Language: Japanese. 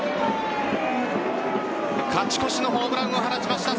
勝ち越しのホームランを放ちました。